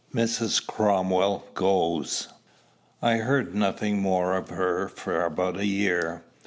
MRS. CROMWELL GOES. I heard nothing more of her for about a year.